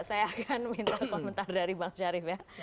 saya akan minta komentar dari bang syarif ya